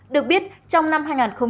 được biết trong năm hai nghìn một mươi tám